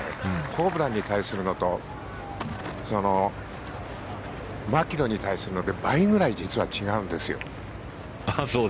ホブランに対するのとマキロイに対するので倍ぐらい実は違うんですよ。